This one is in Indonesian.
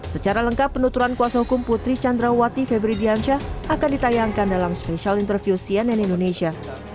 secara lengkap penuturan kuasa hukum putri candrawati febri diansyah akan ditayangkan dalam spesial interview cnn indonesia